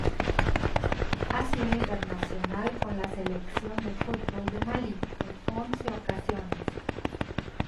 Ha sido internacional con la Selección de fútbol de Malí en once ocasiones.